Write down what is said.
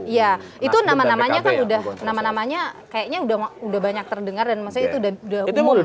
iya itu nama namanya kan udah nama namanya kayaknya udah banyak terdengar dan maksudnya itu udah umum